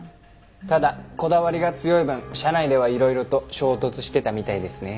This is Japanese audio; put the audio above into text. ただこだわりが強い分社内ではいろいろと衝突してたみたいですね。